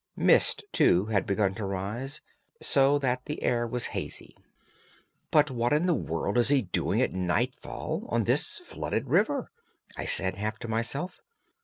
Mist, too, had begun to ruse, so that the air was hazy. "But what in the world is he doing at nightfall on this flooded river?" I said, half to myself.